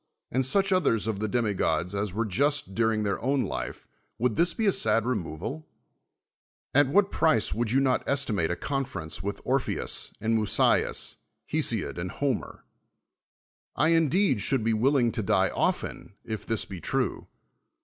and such others of the demigods as were ju.st during their own life, would this be a sad I'onoval ? At what price would you not esti Hiate a conference with Orpheus and Musteus, Ilesiod aiid Iloriier? 1 indeed should be willing to dit' often, if this be true.